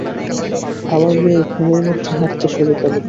আমার মেয়ে ঘুমের মধ্যে হাঁটতে শুরু করে দেয়।